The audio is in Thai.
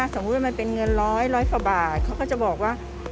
สมมุติว่ามันเป็นเงินร้อยกว่าบาทเขาก็จะบอกว่า